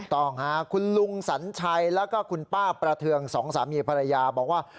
ต้องค่ะคุณลุงสัญชัยแล้วก็คุณป้าประเทืองสองสามีภรรยาบอกว่า